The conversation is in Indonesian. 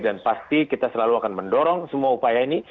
dan pasti kita selalu akan mendorong semua upaya ini